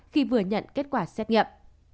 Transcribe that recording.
khi vừa nhận kết quả xét nghiệm